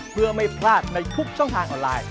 เพื่อไม่พลาดในทุกช่องทางออนไลน์